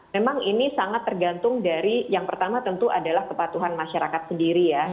memang ini sangat tergantung dari yang pertama tentu adalah kepatuhan masyarakat sendiri ya